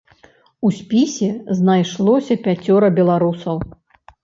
У спісе знайшлося пяцёра беларусаў.